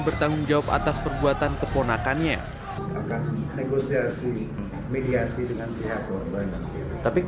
bertanggung jawab atas perbuatan keponakannya akan negosiasi mediasi dengan pihak korban tapi